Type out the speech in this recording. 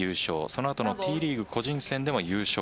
その後のＴリーグ個人戦でも優勝。